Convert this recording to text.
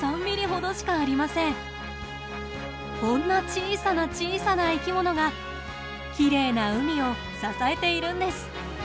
こんな小さな小さな生き物がきれいな海を支えているんです。